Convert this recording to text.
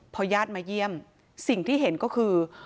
พอญาติมาเยี่ยมสิ่งที่เห็นก็คือ